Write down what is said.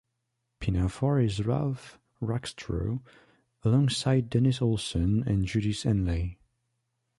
Pinafore as Ralph Rackstraw, alongside Dennis Olsen and Judith Henley.